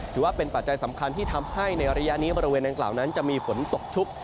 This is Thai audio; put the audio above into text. ถือว่าเป็นปัจจัยสำคัญที่ทำให้ในอระยะนี้บริเวณอังกฬาวนั้นจะมีฝนตกชุบ